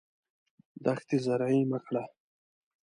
دښتې زرعي مه کړه.